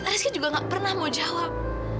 rizky juga gak pernah mau jawab